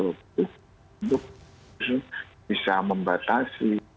untuk bisa membatasi